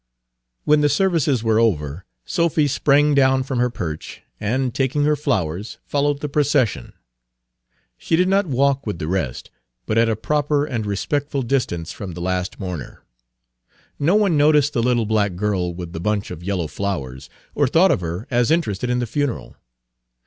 When the services were over, Sophy sprang down from her perch, and, taking her flowers, followed the procession. She did not walk with the rest, but at a proper and respectful distance from the last mourner. No one noticed the little black girl with the bunch of yellow flowers, or thought of her as interested in the funeral.